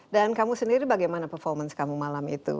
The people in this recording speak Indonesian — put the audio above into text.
dan kamu sendiri bagaimana performance kamu malam itu